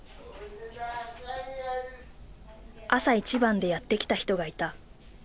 朝一番でやって来た人がいた。